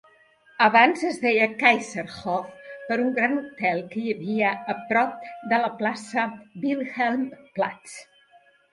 Abans es deia 'Kaiserhof' per un gran hotel que hi havia a prop de la plaça Wilhelmplatz.